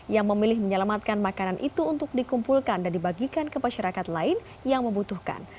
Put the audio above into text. yang memilih menyelamatkan makanan itu untuk dikumpulkan dan dibagikan ke masyarakat lain yang membutuhkan